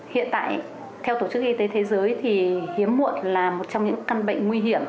hiện tại theo tổ chức y tế thế giới thì hiếm muộn là một trong những căn bệnh nguy hiểm